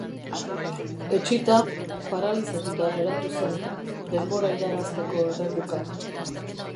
Etsita, paralizatuta geratu zen, denbora irabazteko erreguka.